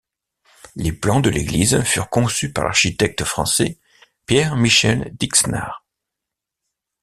Les plans de l'église furent conçus par l'architecte français Pierre-Michel d'Ixnard.